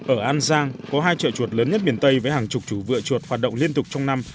ở an giang có hai chợ chuột lớn nhất miền tây với hàng chục chủ vựa chuột hoạt động liên tục trong năm